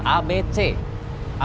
selamat datang di kantor pusat